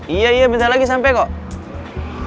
iya iya bentar lagi sampe kok